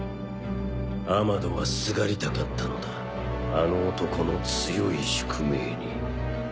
アマドはすがりたかったのだあの男の強い宿命に。